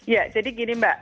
ya jadi gini mbak